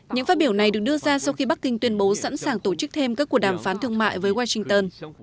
những phát biểu này được đưa ra sau khi bắc kinh tuyên bố sẵn sàng tổ chức thêm các nền kinh tế